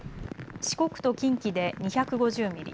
四国と近畿で２５０ミリ